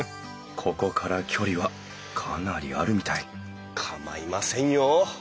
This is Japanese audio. ここから距離はかなりあるみたい構いませんよ。